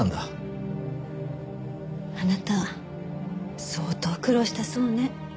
あなた相当苦労したそうね。